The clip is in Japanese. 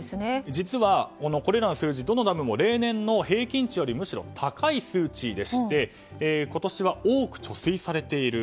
実は、これらの数字どのダムも例年の平均値よりむしろ高い数値でして今年は多く貯水されている。